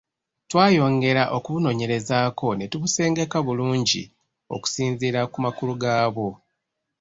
Twayongera okubunoonyerezaako n’etubusengeka bulungi okusinziira ku makulu gaabwo.